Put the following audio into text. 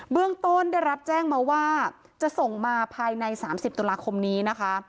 เรื่องต้นได้รับแจ้งมาว่าจะส่งมาภายใน๓๐ตุลาคมนี้นะคะ